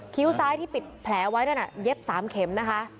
ซ้ายที่ปิดแผลไว้นั่นน่ะเย็บ๓เข็มนะคะ